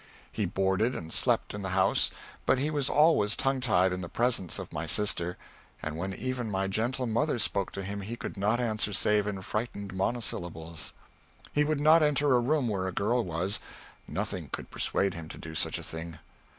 He boarded and slept in the house, but he was always tongue tied in the presence of my sister, and when even my gentle mother spoke to him he could not answer save in frightened monosyllables. He would not enter a room where a girl was; nothing could persuade him to do such a thing.